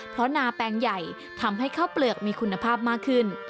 เพราะนาแปลงใหญ่ทำให้ข้าวเปลือกมีคุณภาพมากขึ้น